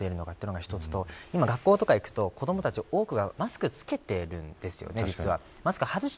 それが正しく機能しているかというのが一つと学校に行くと子供たちの多くがマスクを着けているんですよね。